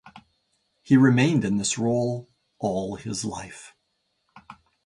He remained in this role all his life.